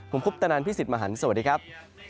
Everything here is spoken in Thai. ผมคุปตนันพี่สิทธิ์มหันฯสวัสดีครับ